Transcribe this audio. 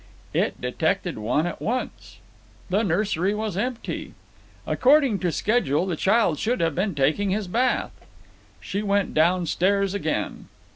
It detected one at once. The nursery was empty. According to schedule, the child should have been taking his bath. She went downstairs again.